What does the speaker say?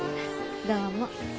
どうも。